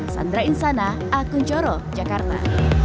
sandra insana akun coro jakarta